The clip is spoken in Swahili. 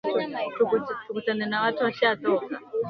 Mpenzi wangu ametoka bara.